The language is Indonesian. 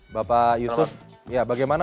bapak yusuf bagaimana